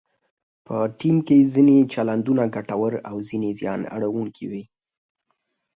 په ټیم کې ځینې چلندونه ګټور او ځینې زیان اړونکي وي.